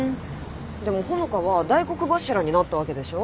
でも穂香は大黒柱になったわけでしょ？